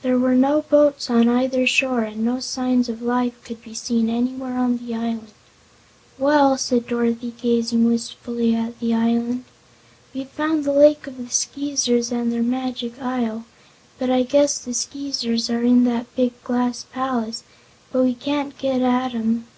There were no boats on either shore and no signs of life could be seen anywhere on the island. "Well," said Dorothy, gazing wistfully at the island, "we've found the Lake of the Skeezers and their Magic Isle. I guess the Skeezers are in that big glass palace, but we can't get at 'em."